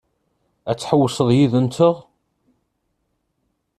Ad tḥewwseḍ yid-nteɣ?